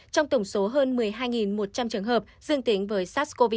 trong tổng số hơn một mươi hai một trăm linh trường hợp dương tính với sars cov hai